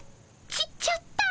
ちっちゃった？